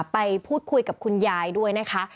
ไปพูดคุยกับคุณยายด้วยนะคะ